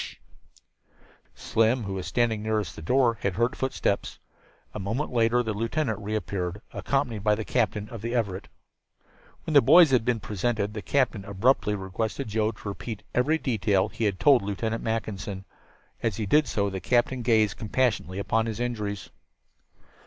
"Sh h h h!" Slim, who was standing nearest the door, had heard footsteps. A moment later the lieutenant reappeared, accompanied by the captain of the Everett. When the boys had been presented, the captain abruptly requested Joe to repeat every detail he had told Lieutenant Mackinson. As he did so the captain gazed compassionately upon his injuries.